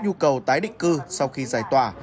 nhu cầu tái định cư sau khi giải tỏa